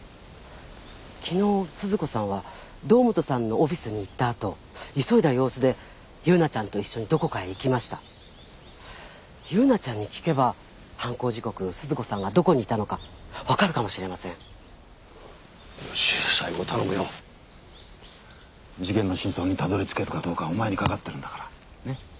昨日鈴子さんは堂本さんのオフィスに行ったあと急いだ様子で優奈ちゃんと一緒にどこかへ行きました優奈ちゃんに聞けば犯行時刻鈴子さんがどこにいたのか分かるかもしれませんよし西郷頼むよ事件の真相にたどり着けるかどうかはお前にかかってるんだからねっ？